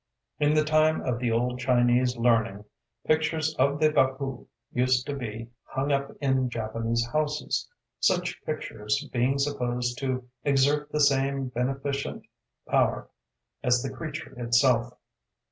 In the time of the old Chinese learning, pictures of the Baku used to be hung up in Japanese houses, such pictures being supposed to exert the same beneficent power as the creature itself.